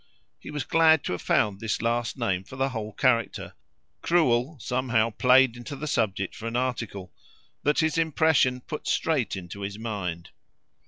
He was glad to have found this last name for the whole character; "cruel" somehow played into the subject for an article an article that his impression put straight into his mind.